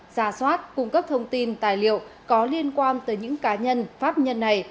ra soát cung cấp thông tin tài liệu có liên quan tới những cá nhân pháp nhân này